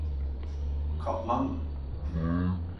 Kaplan mı?